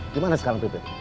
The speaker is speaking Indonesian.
gimana sekarang tidur